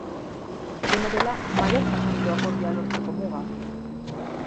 Dena dela, maiatza jarri du akordioa lortzeko muga.